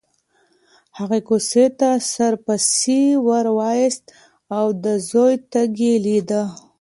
هغې کوڅې ته سر پسې وروایست او د زوی تګ یې لیده.